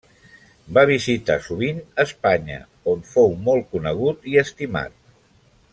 Va visitar sovint Espanya, on fou molt conegut i estimat.